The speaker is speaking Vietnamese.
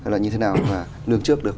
là như thế nào mà lường trước được